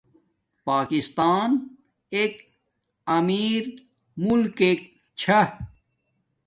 پاکستان ایک امیر مولکک چھا